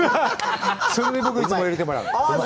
それで僕、いつも入れてもらうの。